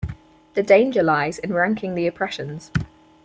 The danger lies in ranking the oppressions.